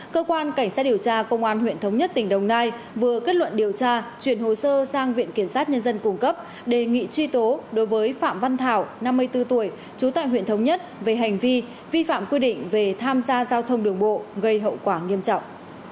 cơ quan cảnh sát điều tra công an huyện thống nhất tỉnh đồng nai vừa kết luận điều tra chuyển hồ sơ sang viện kiểm sát nhân dân cung cấp đề nghị truy tố đối với phạm văn thảo năm mươi bốn tuổi trú tại huyện thống nhất về hành vi vi phạm quy định về tham gia giao thông đường bộ gây hậu quả nghiêm trọng